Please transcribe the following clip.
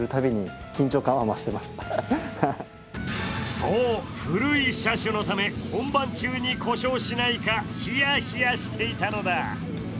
そう、古い車種のため、本番中に故障しないか、ヒヤヒヤしていたのだ。